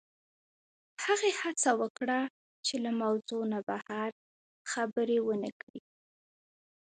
هغې هڅه وکړه چې له موضوع نه بهر خبرې ونه کړي